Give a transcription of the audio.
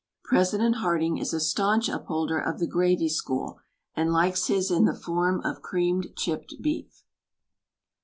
President Harding is a staunch upholder of the gravy school and likes his in the form of creamed chipped beef.